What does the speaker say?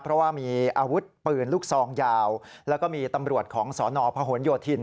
เพราะว่ามีอาวุธปืนลูกซองยาวแล้วก็มีตำรวจของสนพหนโยธิน